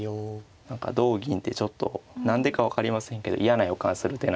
何か同銀ってちょっと何でか分かりませんけど嫌な予感する手なんですよ。